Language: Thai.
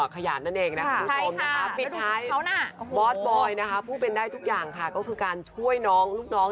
สะอาดมากเลยอะใส่ชุดหมอรำไปพร้อมทุกโรคง